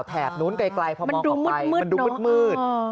แถบนู้นไกลพอมองออกไปมันดูมืดเนอะ